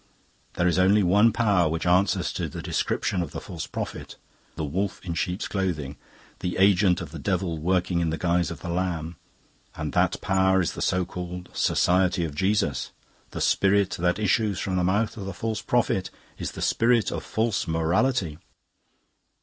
There is only one power which answers to the description of the False Prophet, the wolf in sheep's clothing, the agent of the devil working in the guise of the Lamb, and that power is the so called 'Society of Jesus.' The spirit that issues from the mouth of the False Prophet is the spirit of False Morality.